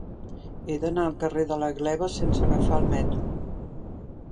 He d'anar al carrer de la Gleva sense agafar el metro.